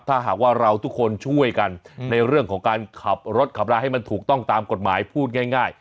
ถ้าหากว่าเราทุกคนช่วยกันในเรื่องของการขับรถขับราให้มันถูกต้องตามกฎหมายพูดง่าย